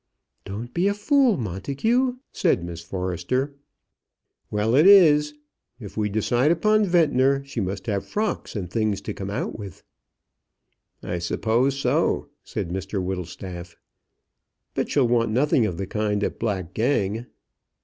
"Don't be a fool, Montagu," said Miss Forrester. "Well, it is. If we decide upon Ventnor, she must have frocks and things to come out with." "I suppose so," said Mr Whittlestaff. "But she'll want nothing of the kind at Black Gang."